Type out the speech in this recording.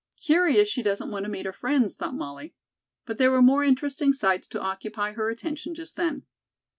"Curious she doesn't want to meet her friends," thought Molly. But there were more interesting sights to occupy her attention just then.